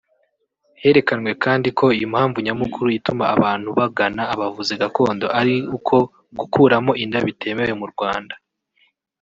Herekanwe kandi ko impamvu nyamukuru ituma abantu bagana abavuzi gakondo ari uko gukuramo inda bitemewe mu Rwanda